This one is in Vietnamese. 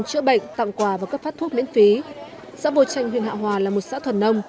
chữa bệnh tặng quà và cấp phát thuốc miễn phí xã vô chanh huyện hạ hòa là một xã thuần nông